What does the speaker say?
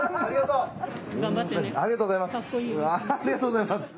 ありがとうございます。